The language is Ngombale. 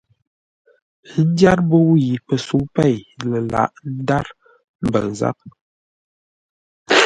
Ə́ ndyár mbəu yi pəsə̌u pêi lə lǎghʼ ńdár mbəu záp.